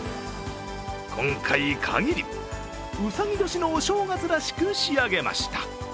今回限り、うさぎ年のお正月らしく仕上げました。